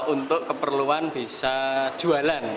untuk keperluan bisa jualan